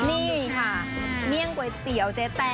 นี่ค่ะเมียงก้วยเตี๋ยวเจ๊แต่นเจ้าเก่า